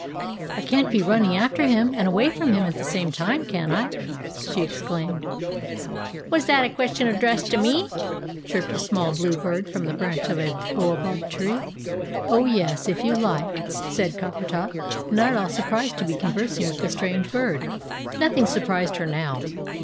"I can't be running after him and away from him at the same time, can I?" she exclaimed. "Was that question addressed to me?" chirped a small blue bird, from the branch of a baobab tree. "Oh, yes, if you like," said Coppertop, not at all surprised to be conversing with a strange bird; nothing surprised her now.